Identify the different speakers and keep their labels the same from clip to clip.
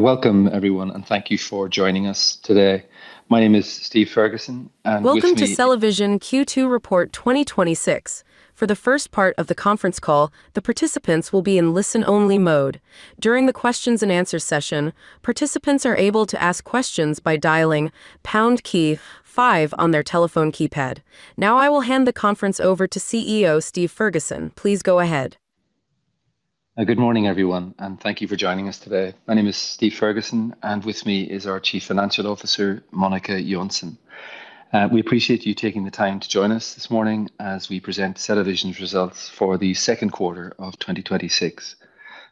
Speaker 1: Welcome, everyone, thank you for joining us today. My name is Steve Ferguson, and with me-
Speaker 2: Welcome to CellaVision Q2 report 2026. For the first part of the conference call, the participants will be in listen-only mode. During the Q&A session, participants are able to ask questions by dialing pound key five on their telephone keypad. I will hand the conference over to CEO Steve Ferguson. Please go ahead.
Speaker 1: Good morning, everyone, thank you for joining us today. My name is Steve Ferguson, and with me is our Chief Financial Officer, Monica Jönsson. We appreciate you taking the time to join us this morning as we present CellaVision's results for the second quarter of 2026.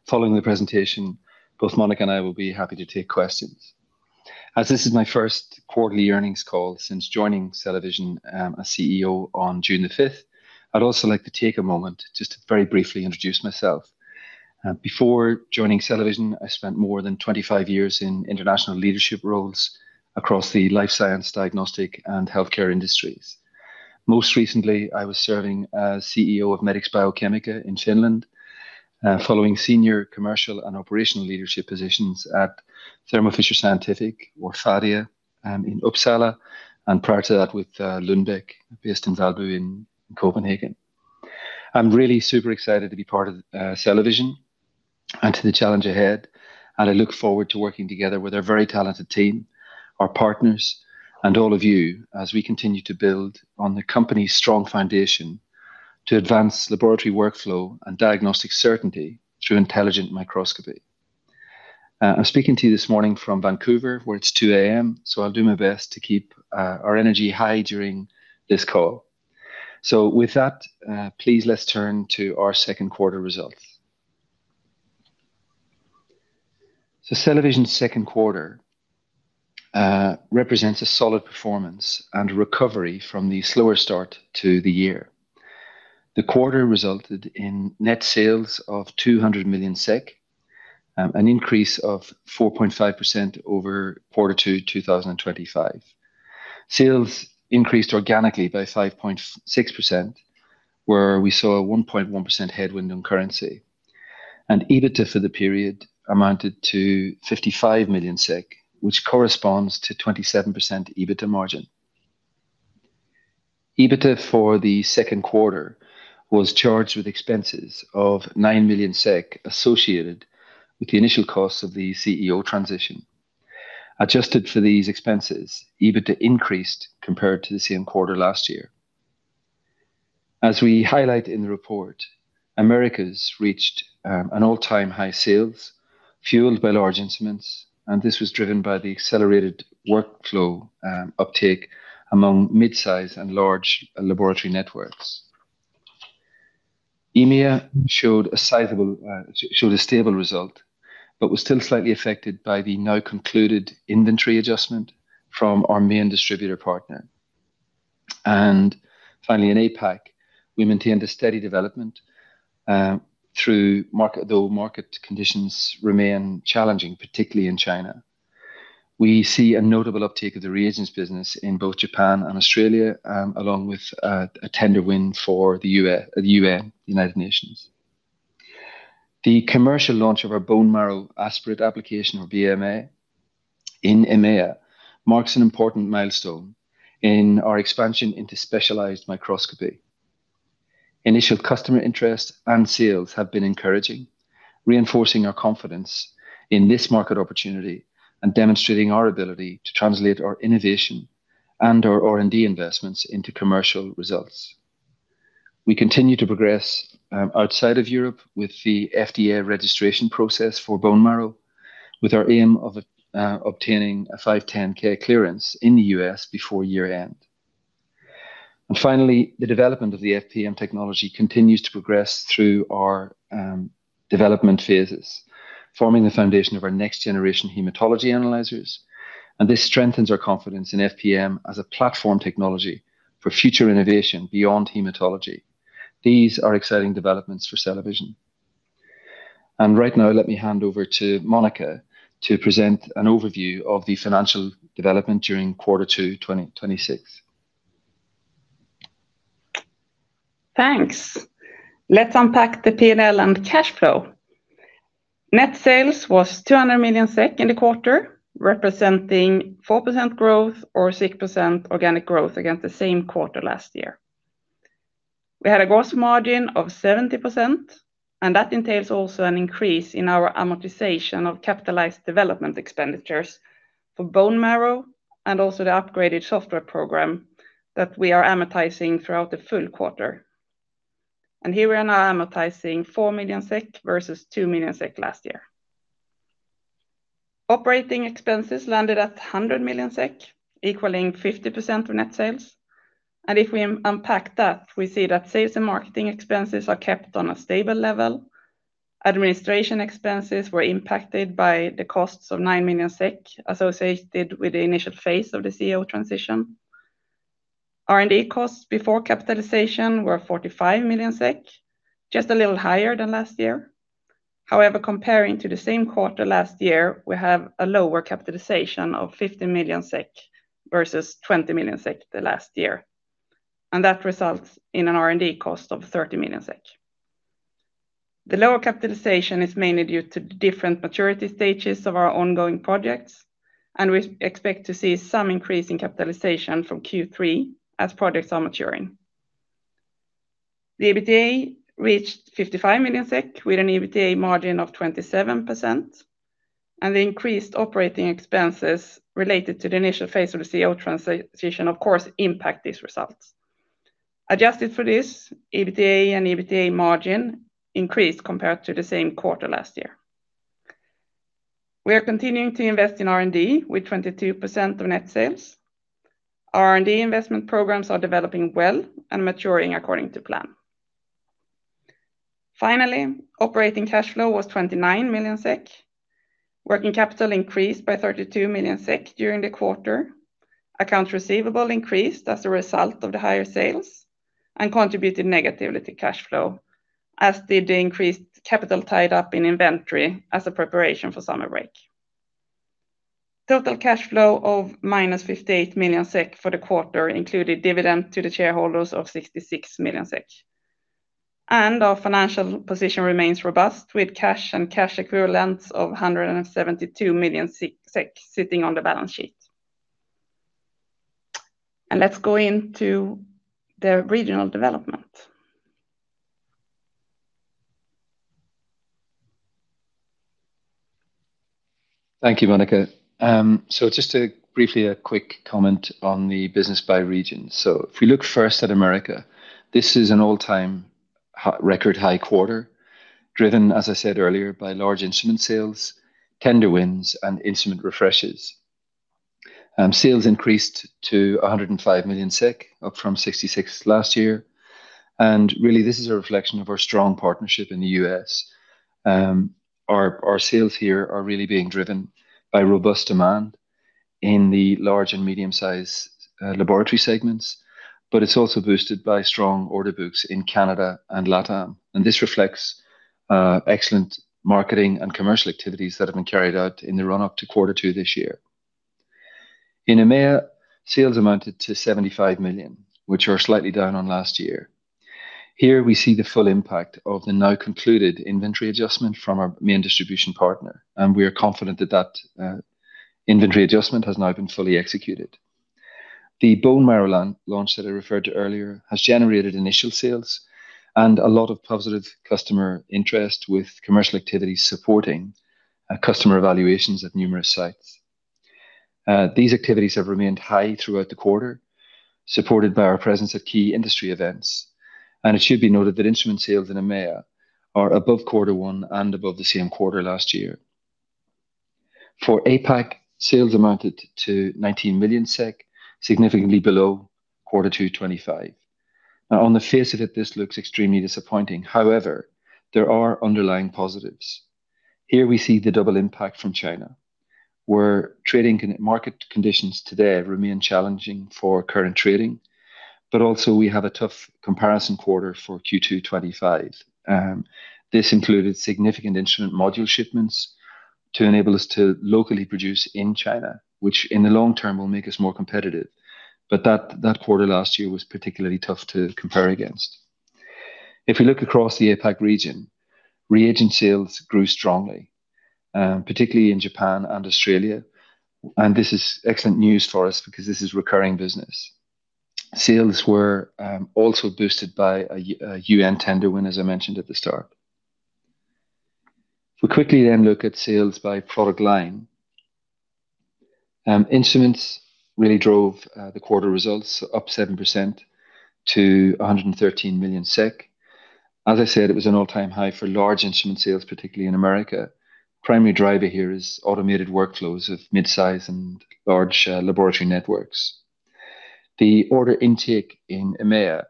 Speaker 1: Following the presentation, both Monica and I will be happy to take questions. As this is my first quarterly earnings call since joining CellaVision as CEO on June 5th, I'd also like to take a moment just to very briefly introduce myself. Before joining CellaVision, I spent more than 25 years in international leadership roles across the life science, diagnostic, and healthcare industries. Most recently, I was serving as CEO of Medix Biochemica in Finland, following senior commercial and operational leadership positions at Thermo Fisher Scientific, or Phadia, in Uppsala, and prior to that with Lundbeck, based in Valby in Copenhagen. I'm really super excited to be part of CellaVision and to the challenge ahead, I look forward to working together with our very talented team, our partners, and all of you as we continue to build on the company's strong foundation to advance laboratory workflow and diagnostic certainty through intelligent microscopy. I'm speaking to you this morning from Vancouver, where it's 2:00 A.M., I'll do my best to keep our energy high during this call. With that, please let's turn to our second quarter results. CellaVision's second quarter represents a solid performance and recovery from the slower start to the year. The quarter resulted in net sales of 200 million SEK, an increase of 4.5% over Q2 2025. Sales increased organically by 5.6%, where we saw a 1.1% headwind on currency. EBITDA for the period amounted to 55 million, which corresponds to 27% EBITDA margin. EBITDA for the second quarter was charged with expenses of 9 million SEK associated with the initial costs of the CEO transition. Adjusted for these expenses, EBITDA increased compared to the same quarter last year. As we highlight in the report, Americas reached an all-time high sales, fueled by large instruments. This was driven by the accelerated workflow uptake among mid-size and large laboratory networks. EMEA showed a stable result, but was still slightly affected by the now concluded inventory adjustment from our main distributor partner. Finally, in APAC, we maintained a steady development, though market conditions remain challenging, particularly in China. We see a notable uptake of the reagents business in both Japan and Australia, along with a tender win for the U.N., the United Nations. The commercial launch of our Bone Marrow Aspirate Application, or BMA, in EMEA marks an important milestone in our expansion into specialized microscopy. Initial customer interest and sales have been encouraging, reinforcing our confidence in this market opportunity and demonstrating our ability to translate our innovation and our R&D investments into commercial results. We continue to progress outside of Europe with the FDA registration process for bone marrow, with our aim of obtaining a 510(k) clearance in the U.S. before year-end. Finally, the development of the FPM technology continues to progress through our development phases, forming the foundation of our next-generation hematology analyzers. This strengthens our confidence in FPM as a platform technology for future innovation beyond hematology. These are exciting developments for CellaVision. Right now, let me hand over to Monica to present an overview of the financial development during Q2 2026.
Speaker 3: Thanks. Let's unpack the P&L and cash flow. Net sales was 200 million SEK in the quarter, representing 4% growth or 6% organic growth against the same quarter last year. We had a gross margin of 70%. That entails also an increase in our amortization of capitalized development expenditures for bone marrow and also the upgraded software program that we are amortizing throughout the full quarter. Here we are now amortizing 4 million SEK versus 2 million SEK last year. Operating expenses landed at 100 million SEK, equaling 50% of net sales. If we unpack that, we see that sales and marketing expenses are kept on a stable level. Administration expenses were impacted by the costs of 9 million SEK associated with the initial phase of the CEO transition. R&D costs before capitalization were 45 million SEK, just a little higher than last year. However, comparing to the same quarter last year, we have a lower capitalization of 15 million SEK versus 20 million SEK the last year, and that results in an R&D cost of 30 million SEK. The lower capitalization is mainly due to the different maturity stages of our ongoing projects, and we expect to see some increase in capitalization from Q3 as projects are maturing. The EBITDA reached 55 million SEK, with an EBITDA margin of 27%, and the increased operating expenses related to the initial phase of the CEO transition, of course, impact these results. Adjusted for this, EBITDA and EBITDA margin increased compared to the same quarter last year. We are continuing to invest in R&D with 22% of net sales. Our R&D investment programs are developing well and maturing according to plan. Finally, operating cash flow was 29 million SEK. Working capital increased by 32 million SEK during the quarter. Accounts receivable increased as a result of the higher sales and contributed negatively to cash flow, as did the increased capital tied up in inventory as a preparation for summer break. Total cash flow of -58 million SEK for the quarter included dividend to the shareholders of 66 million SEK. Our financial position remains robust, with cash and cash equivalents of 172 million SEK sitting on the balance sheet. Let's go into the regional development.
Speaker 1: Thank you, Monica. Just briefly, a quick comment on the business by region. If we look first at America, this is an all-time record high quarter, driven, as I said earlier, by large instrument sales, tender wins, and instrument refreshes. Sales increased to 105 million SEK, up from 66 last year. Really, this is a reflection of our strong partnership in the U.S. Our sales here are really being driven by robust demand in the large and medium-sized laboratory segments, but it's also boosted by strong order books in Canada and LatAm. This reflects excellent marketing and commercial activities that have been carried out in the run-up to Q2 this year. In EMEA, sales amounted to 75 million, which are slightly down on last year. Here we see the full impact of the now concluded inventory adjustment from our main distribution partner, and we are confident that that inventory adjustment has now been fully executed. The bone marrow launch that I referred to earlier has generated initial sales and a lot of positive customer interest, with commercial activities supporting customer evaluations at numerous sites. These activities have remained high throughout the quarter, supported by our presence at key industry events. It should be noted that instrument sales in EMEA are above Q1 and above the same quarter last year. For APAC, sales amounted to 19 million SEK, significantly below Q2 2025. Now, on the face of it, this looks extremely disappointing. However, there are underlying positives. We see the double impact from China, where trading market conditions today remain challenging for current trading. We also have a tough comparison quarter for Q2 2025. This included significant instrument module shipments to enable us to locally produce in China, which in the long term will make us more competitive, but that quarter last year was particularly tough to compare against. We look across the APAC region, reagent sales grew strongly, particularly in Japan and Australia, and this is excellent news for us because this is recurring business. Sales were also boosted by a U.N. tender win, as I mentioned at the start. We quickly look at sales by product line, instruments really drove the quarter results up 7% to 113 million SEK. As I said, it was an all-time high for large instrument sales, particularly in America. Primary driver here is automated workflows of mid-size and large laboratory networks. The order intake in EMEA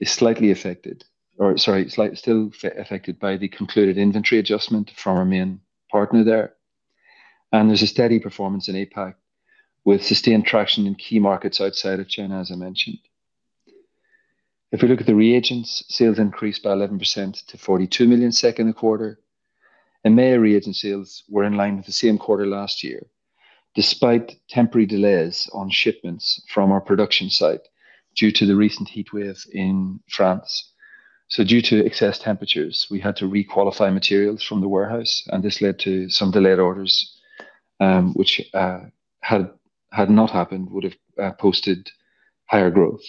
Speaker 1: is slightly affected, or sorry, slightly still affected by the concluded inventory adjustment from our main partner there. There's a steady performance in APAC, with sustained traction in key markets outside of China, as I mentioned. We look at the reagents, sales increased by 11% to 42 million in the quarter. EMEA reagent sales were in line with the same quarter last year, despite temporary delays on shipments from our production site due to the recent heat wave in France. Due to excess temperatures, we had to requalify materials from the warehouse, and this led to some delayed orders, which had not happened would have posted higher growth.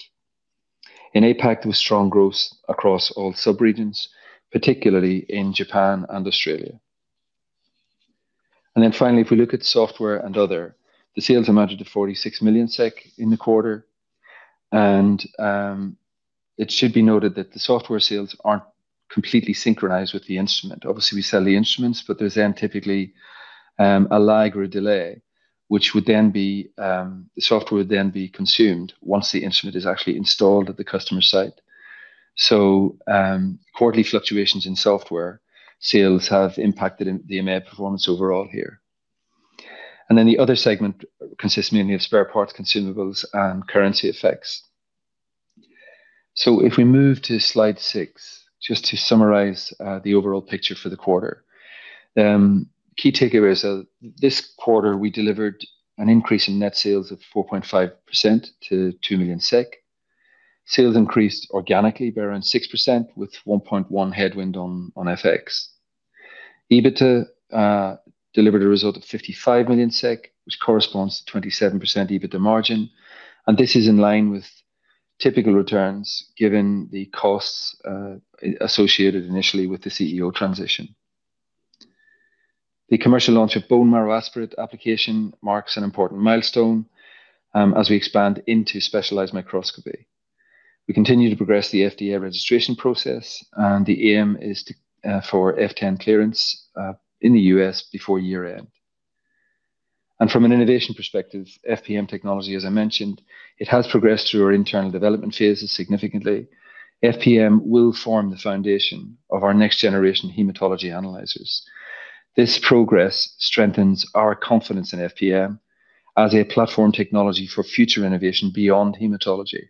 Speaker 1: In APAC, there was strong growth across all subregions, particularly in Japan and Australia. Finally, we look at software and other, the sales amounted to 46 million SEK in the quarter. It should be noted that the software sales aren't completely synchronized with the instrument. Obviously, we sell the instruments, but there's then typically a lag or a delay, which would then be the software would then be consumed once the instrument is actually installed at the customer site. Quarterly fluctuations in software sales have impacted the EMEA performance overall here. The other segment consists mainly of spare parts, consumables, and currency effects. We move to slide six, just to summarize the overall picture for the quarter, the key takeaway is that this quarter we delivered an increase in net sales of 4.5% to 2 million SEK. Sales increased organically by around 6%, with 1.1% headwind on FX. EBITDA delivered a result of 55 million SEK, which corresponds to 27% EBITDA margin. This is in line with typical returns given the costs associated initially with the CEO transition. The commercial launch of Bone Marrow Aspirate Application marks an important milestone as we expand into specialized microscopy. We continue to progress the FDA registration process, and the aim is for 510(k) clearance in the U.S. before year-end. From an innovation perspective, FPM technology, as I mentioned, it has progressed through our internal development phases significantly. FPM will form the foundation of our next-generation hematology analyzers. This progress strengthens our confidence in FPM as a platform technology for future innovation beyond hematology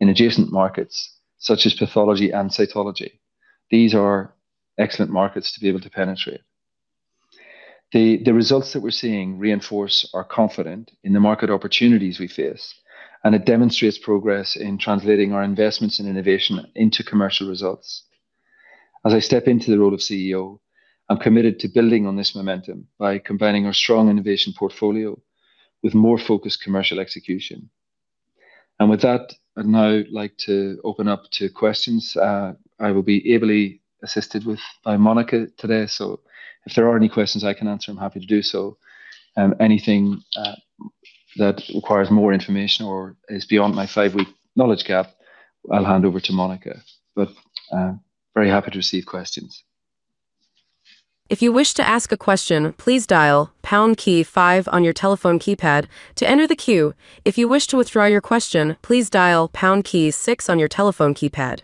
Speaker 1: in adjacent markets such as pathology and cytology. These are excellent markets to be able to penetrate. The results that we're seeing reinforce our confidence in the market opportunities we face, and it demonstrates progress in translating our investments in innovation into commercial results. As I step into the role of CEO, I'm committed to building on this momentum by combining our strong innovation portfolio with more focused commercial execution. With that, I'd now like to open up to questions. I will be ably assisted with by Monica today, so if there are any questions I can answer, I'm happy to do so. Anything that requires more information or is beyond my five-week knowledge gap, I'll hand over to Monica, but very happy to receive questions.
Speaker 2: If you wish to ask a question, please dial pound key five on your telephone keypad to enter the queue. If you wish to withdraw your question, please dial pound key six on your telephone keypad.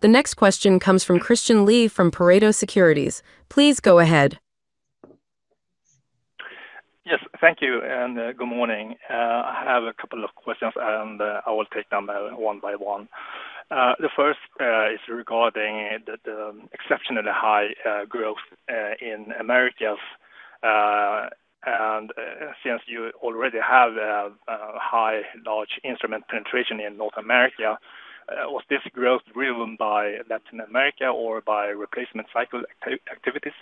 Speaker 2: The next question comes from Christian Lee from Pareto Securities. Please go ahead.
Speaker 4: Yes, thank you, and good morning. I have a couple of questions, and I will take them one by one. The first is regarding the exceptionally high growth in America. Since you already have high, large instrument penetration in North America, was this growth driven by Latin America or by replacement cycle activities?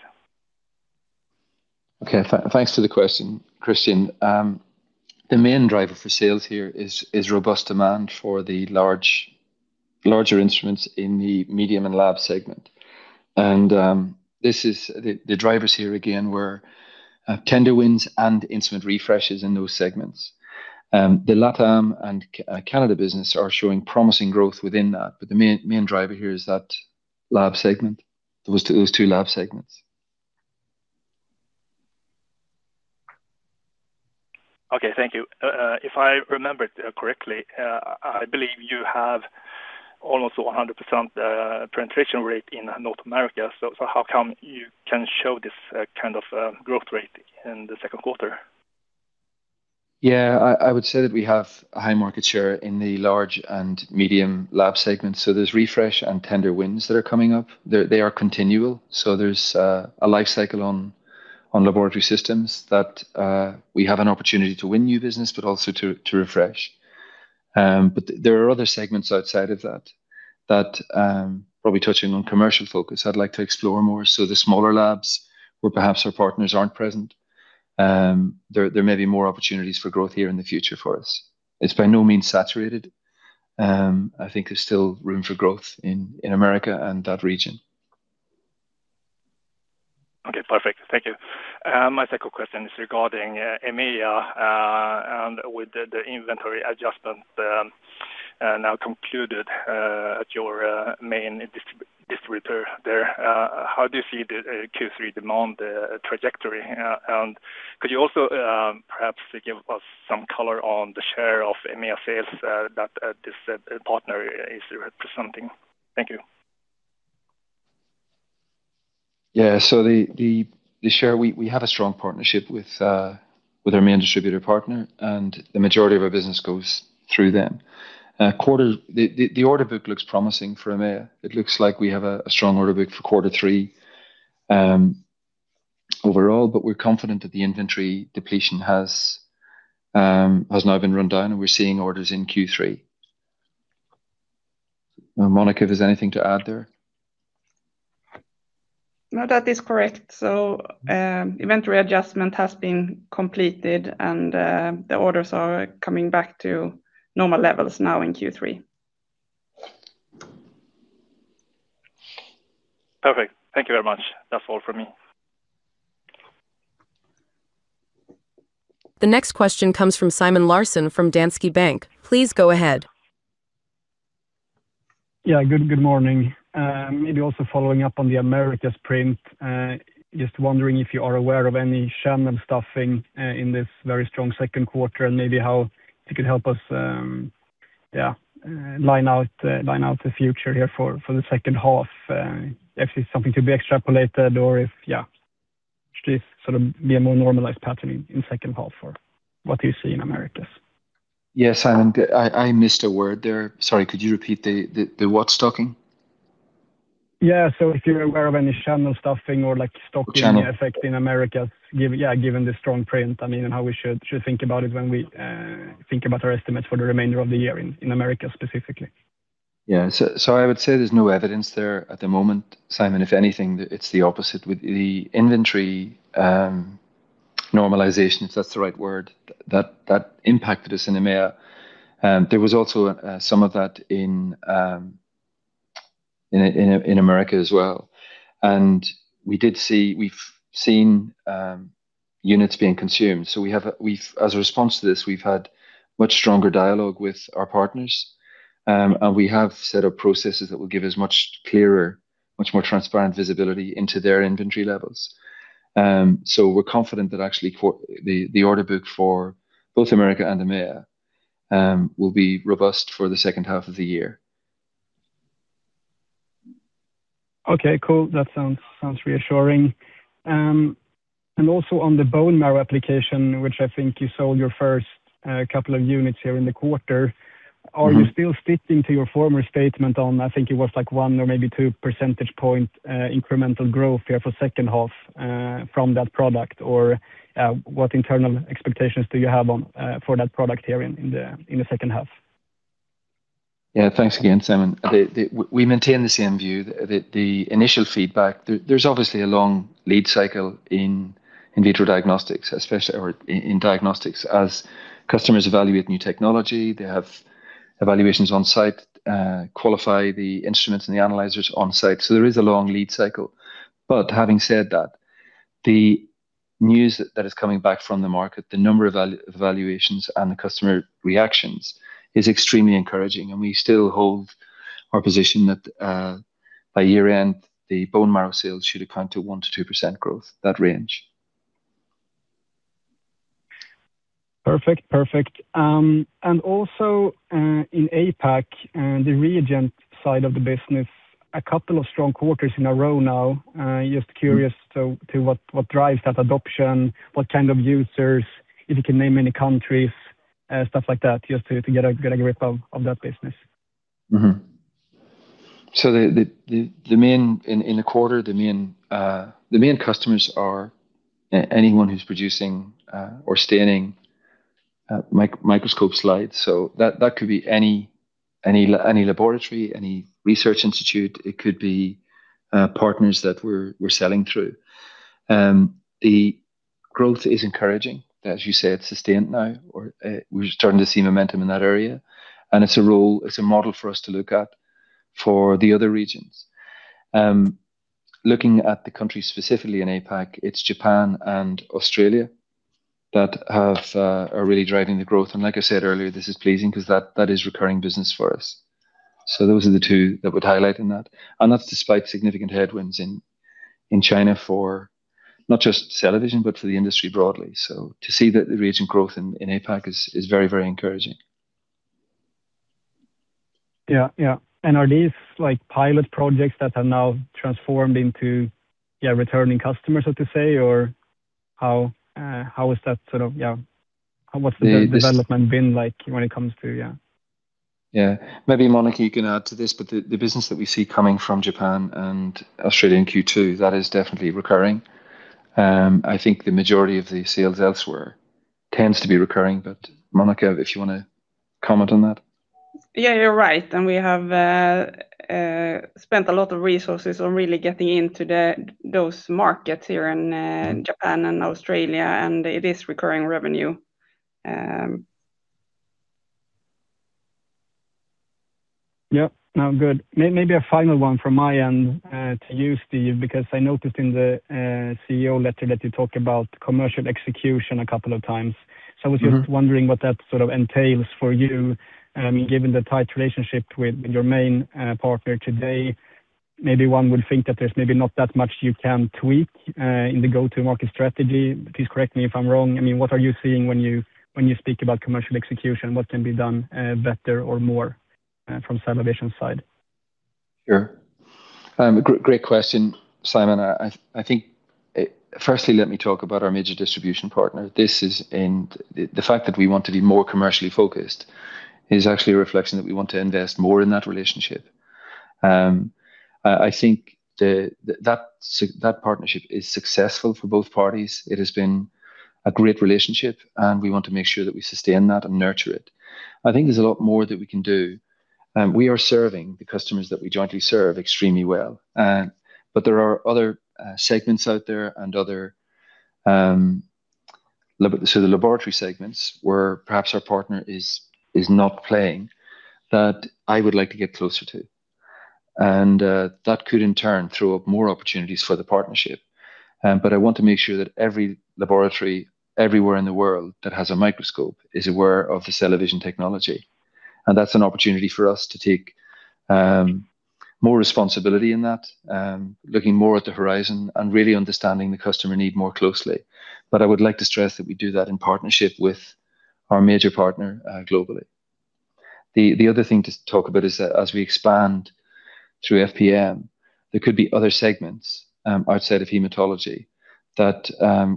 Speaker 1: Okay, thanks for the question, Christian. The main driver for sales here is robust demand for the larger instruments in the medium and lab segment. This is the drivers here again were tender wins and instrument refreshes in those segments. The LatAm and Canada business are showing promising growth within that, but the main driver here is that lab segment, those two lab segments.
Speaker 4: Okay, thank you. If I remembered correctly, I believe you have almost 100% penetration rate in North America. How come you can show this kind of growth rate in the second quarter?
Speaker 1: Yeah, I would say that we have a high market share in the large and medium lab segments. There's refresh and tender wins that are coming up. They are continual. There's a life cycle on laboratory systems that we have an opportunity to win new business, but also to refresh. There are other segments outside of that that probably touching on commercial focus I'd like to explore more. The smaller labs where perhaps our partners aren't present, there may be more opportunities for growth here in the future for us. It's by no means saturated. I think there's still room for growth in America and that region.
Speaker 4: Okay, perfect. Thank you. My second question is regarding EMEA and with the inventory adjustment now concluded at your main distributor there, how do you see the Q3 demand trajectory? Could you also perhaps give us some color on the share of EMEA sales that this partner is representing? Thank you.
Speaker 1: Yeah, the share we have a strong partnership with our main distributor partner, and the majority of our business goes through them. The order book looks promising for EMEA. It looks like we have a strong order book for Q3 overall, but we're confident that the inventory depletion has now been run down, and we're seeing orders in Q3. Monica, there's anything to add there?
Speaker 3: No, that is correct. Inventory adjustment has been completed, and the orders are coming back to normal levels now in Q3.
Speaker 4: Perfect. Thank you very much. That's all from me.
Speaker 2: The next question comes from Simon Larsson from Danske Bank. Please go ahead.
Speaker 5: Good morning. Maybe also following up on the America sprint, just wondering if you are aware of any channel stuffing in this very strong second quarter, and maybe how it could help us line out the future here for the second half, if it's something to be extrapolated, or if should it sort of be a more normalized pattern in second half, or what do you see in America?
Speaker 1: Yeah, Simon, I missed a word there. Sorry, could you repeat the what stocking?
Speaker 5: Yeah, if you're aware of any sham and stuffing or like stocking effect in America, yeah, given the strong print, I mean, how we should think about it when we think about our estimates for the remainder of the year in America specifically.
Speaker 1: Yeah, I would say there's no evidence there at the moment, Simon. If anything, it's the opposite with the inventory normalization, if that's the right word, that impacted us in EMEA. There was also some of that in America as well. We've seen units being consumed. We have, as a response to this, we've had much stronger dialogue with our partners, and we have set up processes that will give us much clearer, much more transparent visibility into their inventory levels. We're confident that actually the order book for both America and EMEA will be robust for the second half of the year.
Speaker 5: Okay, cool. That sounds reassuring. Also on the Bone Marrow Application, which I think you sold your first couple of units here in the quarter, are you still sticking to your former statement on, I think it was like one or maybe two percentage point incremental growth here for second half from that product, or what internal expectations do you have for that product here in the second half?
Speaker 1: Thanks again, Simon. We maintain the same view. The initial feedback, there's obviously a long lead cycle in in vitro diagnostics, especially or in diagnostics, as customers evaluate new technology. They have evaluations on site, qualify the instruments and the analyzers on site. There is a long lead cycle. Having said that, the news that is coming back from the market, the number of evaluations and the customer reactions is extremely encouraging, and we still hold our position that by year-end, the bone marrow sales should account to 1%-2% growth, that range.
Speaker 5: Perfect, perfect. Also in APAC and the reagent side of the business, a couple of strong quarters in a row now. Just curious to what drives that adoption, what kind of users, if you can name any countries, stuff like that, just to get a grip of that business.
Speaker 1: The main in the quarter, the main customers are anyone who's producing or scanning microscope slides. That could be any laboratory, any research institute. It could be partners that we're selling through. The growth is encouraging, as you said, sustained now, or we're starting to see momentum in that area. It's a model for us to look at for the other regions. Looking at the countries specifically in APAC, it's Japan and Australia that are really driving the growth. Like I said earlier, this is pleasing because that is recurring business for us. Those are the two that would highlight in that. That's despite significant headwinds in China for not just CellaVision, but for the industry broadly. To see that the reagent growth in APAC is very, very encouraging.
Speaker 5: Are these like pilot projects that have now transformed into returning customers, so to say, or how has that sort of, what's the development been like when it comes to?
Speaker 1: Yeah, maybe Monica, you can add to this. The business that we see coming from Japan and Australia in Q2, that is definitely recurring. I think the majority of the sales elsewhere tends to be recurring. Monica, if you want to comment on that.
Speaker 3: Yeah, you're right. We have spent a lot of resources on really getting into those markets here in Japan and Australia, and it is recurring revenue.
Speaker 5: Yeah, no, good. Maybe a final one from my end to you, Steve, because I noticed in the CEO letter that you talk about commercial execution a couple of times. I was just wondering what that sort of entails for you, given the tight relationship with your main partner today. Maybe one would think that there's maybe not that much you can tweak in the go-to-market strategy. Please correct me if I'm wrong. I mean, what are you seeing when you speak about commercial execution? What can be done better or more from CellaVision's side?
Speaker 1: Sure. Great question, Simon. I think firstly, let me talk about our major distribution partner. This is in the fact that we want to be more commercially focused is actually a reflection that we want to invest more in that relationship. I think that partnership is successful for both parties. It has been a great relationship, and we want to make sure that we sustain that and nurture it. I think there's a lot more that we can do. We are serving the customers that we jointly serve extremely well. There are other segments out there and other laboratory segments where perhaps our partner is not playing that I would like to get closer to. That could, in turn, throw up more opportunities for the partnership. I want to make sure that every laboratory everywhere in the world that has a microscope is aware of the CellaVision technology. That's an opportunity for us to take more responsibility in that, looking more at the horizon and really understanding the customer need more closely. I would like to stress that we do that in partnership with our major partner globally. The other thing to talk about is that as we expand through FPM, there could be other segments outside of hematology that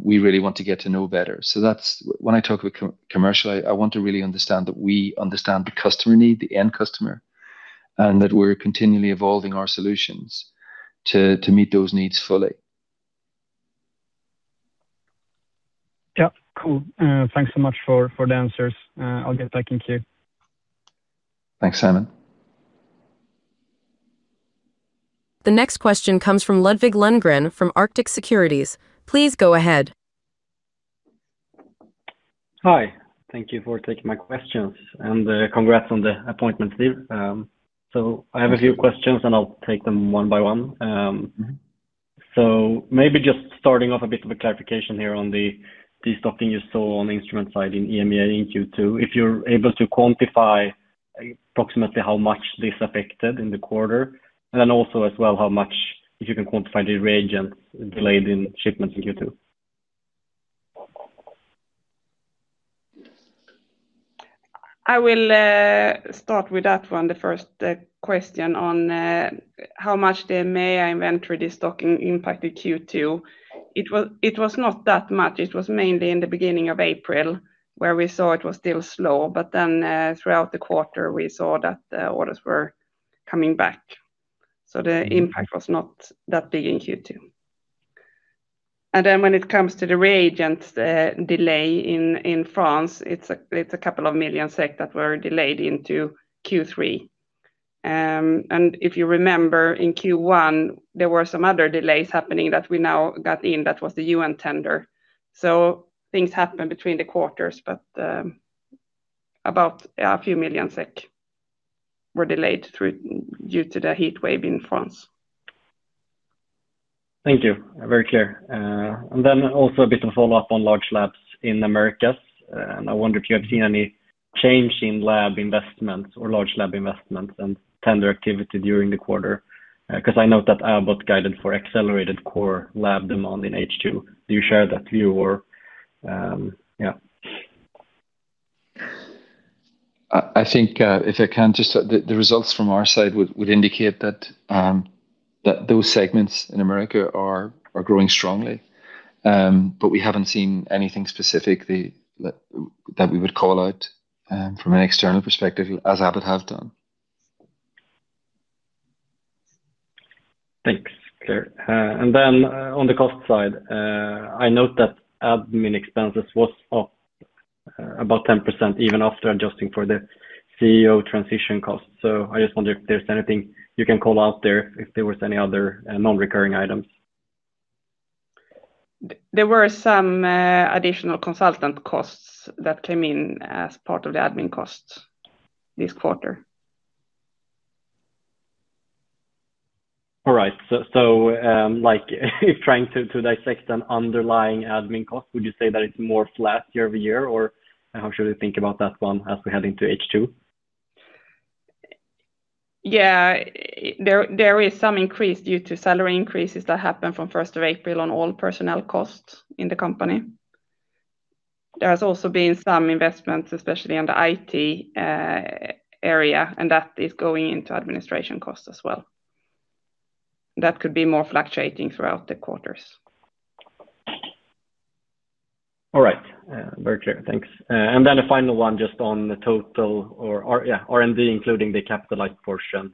Speaker 1: we really want to get to know better. That's when I talk about commercial, I want to really understand that we understand the customer need, the end customer, and that we're continually evolving our solutions to meet those needs fully.
Speaker 5: Yeah, cool. Thanks so much for the answers. I'll get back in queue.
Speaker 1: Thanks, Simon.
Speaker 2: The next question comes from Ludvig Lundgren from Arctic Securities. Please go ahead.
Speaker 6: Hi, thank you for taking my questions. Congrats on the appointment, Steve. I have a few questions, I'll take them one by one. Maybe just starting off a bit of a clarification here on the stocking you saw on the instrument side in EMEA in Q2. If you're able to quantify approximately how much this affected in the quarter, then also as well how much, if you can quantify the reagent delayed in shipments in Q2.
Speaker 3: I will start with that one, the first question on how much the EMEA inventory stocking impacted Q2. It was not that much. It was mainly in the beginning of April where we saw it was still slow, throughout the quarter, we saw that orders were coming back. The impact was not that big in Q2. When it comes to the reagent delay in France, it's 2 million that were delayed into Q3. If you remember, in Q1, there were some other delays happening that we now got in that was the UN tender. Things happened between the quarters, but about a few 1 million SEK were delayed due to the heat wave in France.
Speaker 6: Thank you. Very clear. Also a bit of follow-up on large labs in America. I wonder if you have seen any change in lab investments or large lab investments and tender activity during the quarter. Because I note that Abbott guided for accelerated core lab demand in H2. Do you share that view, or yeah?
Speaker 1: I think if I can, just the results from our side would indicate that those segments in America are growing strongly. We haven't seen anything specific that we would call out from an external perspective as Abbott have done.
Speaker 6: That's clear. Then on the cost side, I note that admin expenses was up about 10% even after adjusting for the CEO transition cost. I just wonder if there's anything you can call out there if there were any other non-recurring items.
Speaker 3: There were some additional consultant costs that came in as part of the admin cost this quarter.
Speaker 6: All right. Like trying to dissect an underlying admin cost, would you say that it's more flat year-over-year, or how should we think about that one as we head into H2?
Speaker 3: Yeah, there is some increase due to salary increases that happened from April 1st on all personnel costs in the company. There has also been some investments, especially in the IT area, and that is going into administration costs as well. That could be more fluctuating throughout the quarters.
Speaker 6: All right. Very clear. Thanks. A final one just on the total or yeah, R&D, including the capitalized portion,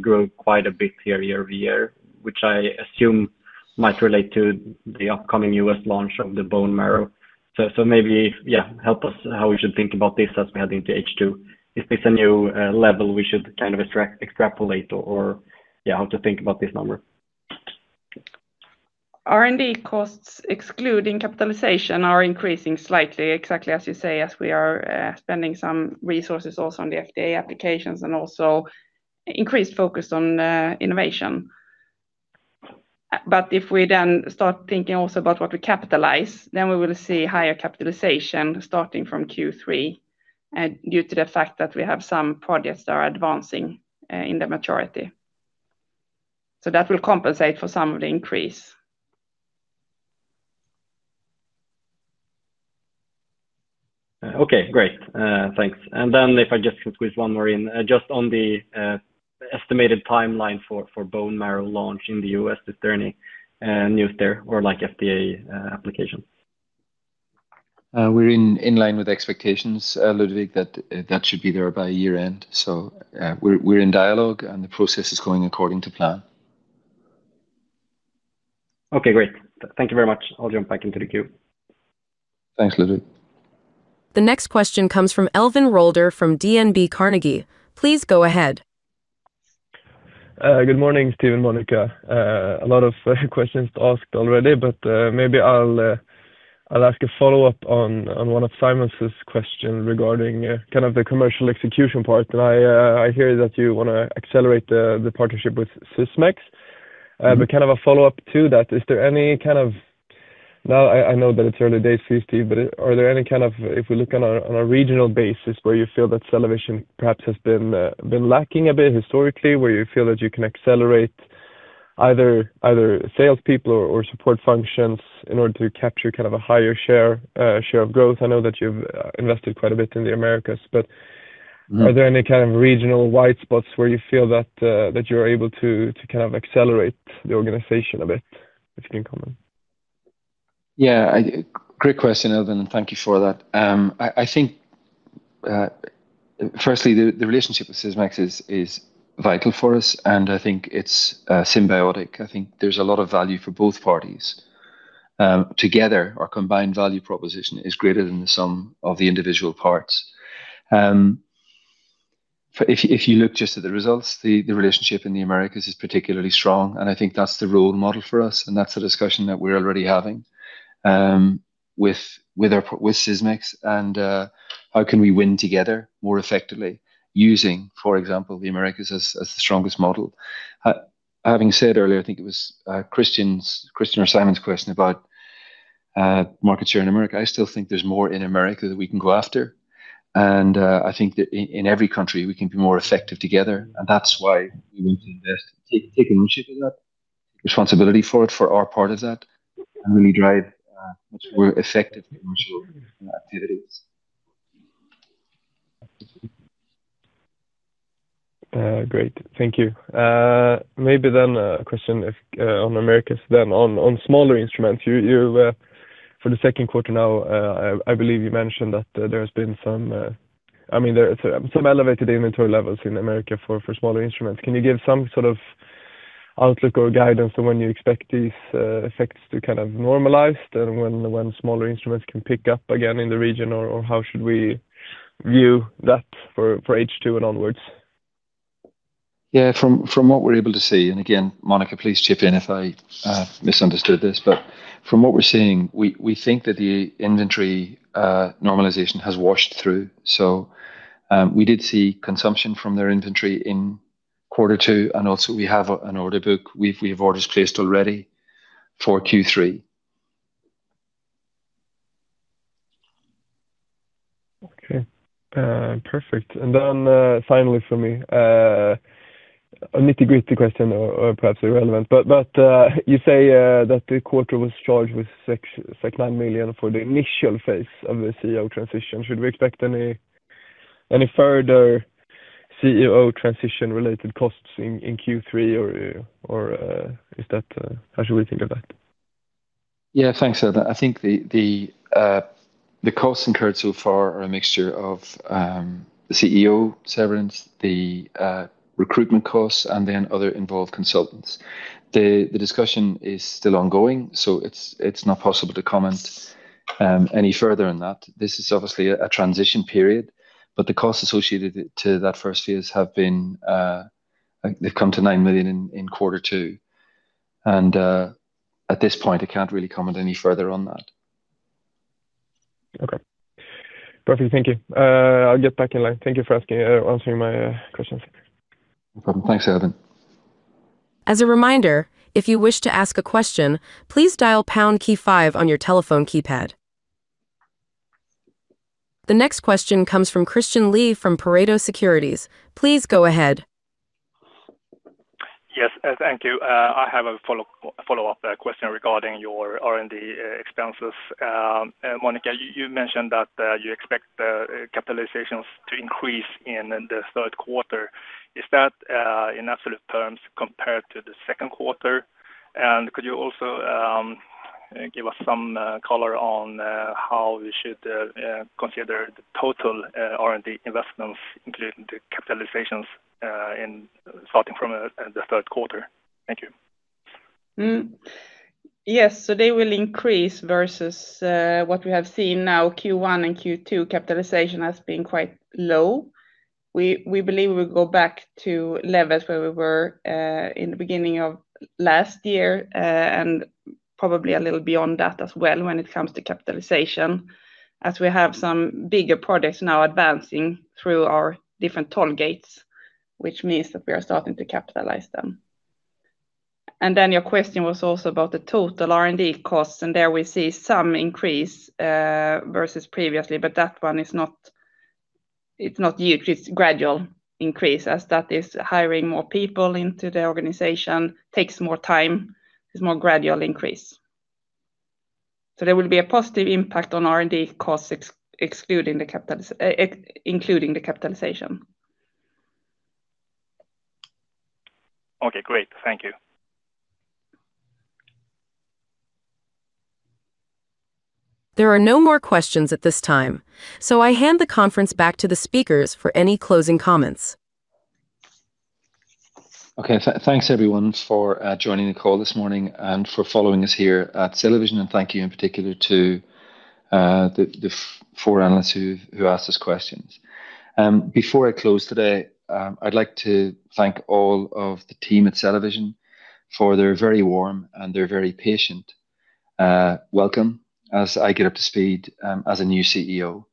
Speaker 6: grew quite a bit here year-over-year, which I assume might relate to the upcoming U.S. launch of the bone marrow. Maybe, yeah, help us how we should think about this as we head into H2. If there's a new level we should kind of extrapolate or, yeah, how to think about this number.
Speaker 3: R&D costs excluding capitalization are increasing slightly, exactly as you say, as we are spending some resources also on the FDA applications and also increased focus on innovation. If we then start thinking also about what we capitalize, we will see higher capitalization starting from Q3 due to the fact that we have some projects that are advancing in the maturity. That will compensate for some of the increase.
Speaker 6: Okay, great. Thanks. If I just can squeeze one more in, just on the estimated timeline for bone marrow launch in the U.S., is there any news there or like FDA application?
Speaker 1: We're in line with expectations, Ludvig, that that should be there by year-end. We're in dialogue and the process is going according to plan.
Speaker 6: Okay, great. Thank you very much. I'll jump back into the queue.
Speaker 1: Thanks, Ludvig.
Speaker 2: The next question comes from Elvin Rolder from DNB Carnegie. Please go ahead.
Speaker 7: Good morning, Steve and Monica. A lot of questions asked already, but maybe I'll ask a follow-up on one of Simon's questions regarding kind of the commercial execution part. I hear that you want to accelerate the partnership with Sysmex. Kind of a follow-up to that, is there any kind of now I know that it's early days for you, Steve, but are there any kind of if we look on a regional basis where you feel that CellaVision perhaps has been lacking a bit historically, where you feel that you can accelerate either salespeople or support functions in order to capture kind of a higher share of growth? I know that you've invested quite a bit in the Americas, but are there any kind of regional white spots where you feel that you're able to kind of accelerate the organization a bit if you can comment?
Speaker 1: I think firstly, the relationship with Sysmex is vital for us, and I think it's symbiotic. I think there's a lot of value for both parties. Together, our combined value proposition is greater than the sum of the individual parts. If you look just at the results, the relationship in the Americas is particularly strong. I think that's the role model for us, and that's a discussion that we're already having with Sysmex and how can we win together more effectively using, for example, the Americas as the strongest model. Having said earlier, I think it was Christian or Simon's question about market share in America. I still think there's more in America that we can go after. I think that in every country, we can be more effective together. That's why we want to invest, take ownership of that, take responsibility for it, for our part of that, and really drive much more effective commercial activities.
Speaker 7: Great. Thank you. Maybe a question on Americas then. On smaller instruments, for the second quarter now, I believe you mentioned that there has been some, I mean, there are some elevated inventory levels in America for smaller instruments. Can you give some sort of outlook or guidance on when you expect these effects to kind of normalize and when smaller instruments can pick up again in the region, or how should we view that for H2 and onwards?
Speaker 1: From what we're able to see, and again, Monica, please chip in if I misunderstood this, but from what we're seeing, we think that the inventory normalization has washed through. We did see consumption from their inventory in quarter two, and also we have an order book. We have orders placed already for Q3.
Speaker 7: Okay. Perfect. Finally for me, a nitty-gritty question or perhaps irrelevant, but you say that the quarter was charged with 9 million for the initial phase of the CEO transition. Should we expect any further CEO transition-related costs in Q3, or how should we think of that?
Speaker 1: Yeah, thanks. I think the costs incurred so far are a mixture of the CEO severance, the recruitment costs, other involved consultants. The discussion is still ongoing, it's not possible to comment any further on that. This is obviously a transition period, the costs associated to that first phase have come to 9 million in quarter two. At this point, I can't really comment any further on that.
Speaker 7: Okay. Perfect. Thank you. I'll get back in line. Thank you for answering my questions.
Speaker 1: No problem. Thanks, Elvin.
Speaker 2: As a reminder, if you wish to ask a question, please dial pound key five on your telephone keypad. The next question comes from Christian Lee from Pareto Securities. Please go ahead.
Speaker 4: Yes, thank you. I have a follow-up question regarding your R&D expenses. Monica, you mentioned that you expect capitalizations to increase in the third quarter. Is that in absolute terms compared to the second quarter? Could you also give us some color on how we should consider the total R&D investments, including the capitalizations starting from the third quarter? Thank you.
Speaker 3: Yes, they will increase versus what we have seen now. Q1 and Q2 capitalization has been quite low. We believe we will go back to levels where we were in the beginning of last year and probably a little beyond that as well when it comes to capitalization, as we have some bigger projects now advancing through our different tollgates, which means that we are starting to capitalize them. Your question was also about the total R&D costs, and there we see some increase versus previously, but that one is not huge. It's gradual increase as that is hiring more people into the organization, takes more time, is more gradual increase. There will be a positive impact on R&D costs including the capitalization.
Speaker 4: Okay, great. Thank you.
Speaker 2: There are no more questions at this time, so I hand the conference back to the speakers for any closing comments.
Speaker 1: Okay, thanks everyone for joining the call this morning and for following us here at CellaVision, and thank you in particular to the four analysts who asked us questions. Before I close today, I'd like to thank all of the team at CellaVision for their very warm and their very patient welcome as I get up to speed as a new CEO.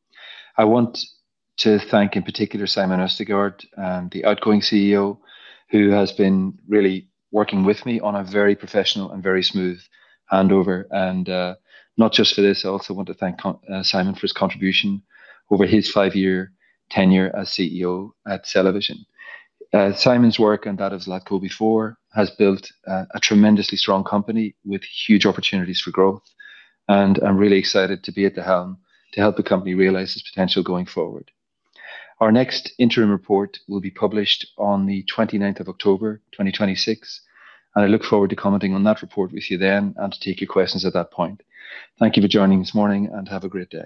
Speaker 1: I want to thank in particular Simon Østergaard and the outgoing CEO who has been really working with me on a very professional and very smooth handover. Not just for this, I also want to thank Simon for his contribution over his five-year tenure as CEO at CellaVision. Simon's work and that of Zlatko before has built a tremendously strong company with huge opportunities for growth. I'm really excited to be at the helm to help the company realize its potential going forward. Our next interim report will be published on October 29th, 2026. I look forward to commenting on that report with you then and to take your questions at that point. Thank you for joining this morning and have a great day.